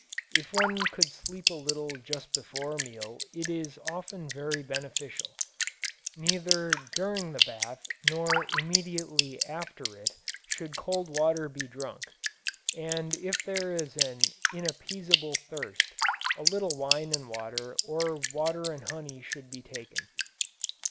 If one could sleep a little just before a meal it is often very beneficial. Neither during the bath nor immediately after it should cold water be drunk, and if there is an inappeasable thirst a little wine and water or water and honey should be taken.